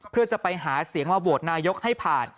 เพื่อจะไปหาเสียงมาโหวตนายกให้ผ่าน